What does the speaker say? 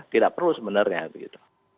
tidak perlu sebenarnya gitu